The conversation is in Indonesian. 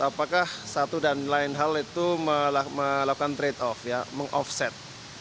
apakah satu dan lain hal itu melakukan trade off ya meng offset